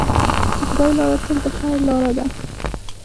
د خدای لاره تل د خیر لاره ده.